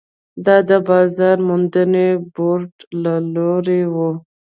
دا د بازار موندنې بورډ له لوري وو.